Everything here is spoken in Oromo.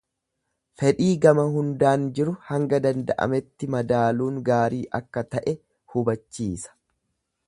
Fedhii gama hundaan jiru hanga danda'ametti madaaluun gaarii akka ta'e hubachiisa.